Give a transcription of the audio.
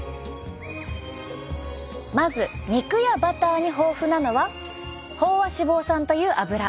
まず肉やバターに豊富なのは飽和脂肪酸というアブラ。